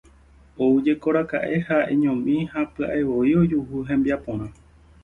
Oújekoraka'e ha'eñomi ha pya'evoi ojuhu hembiaporã.